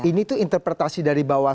ini tuh interpretasi dari bawah